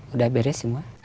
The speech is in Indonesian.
udah beres semua